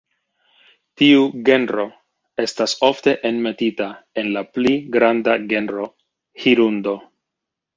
Tiu genro estas ofte enmetita en la pli granda genro "Hirundo".